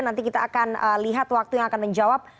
nanti kita akan lihat waktu yang akan menjawab